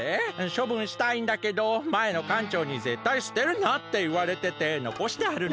しょぶんしたいんだけどまえのかんちょうに「ぜったいすてるな」っていわれててのこしてあるの。